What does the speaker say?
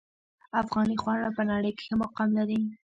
افغاني خواړه په نړۍ ښه مقام لري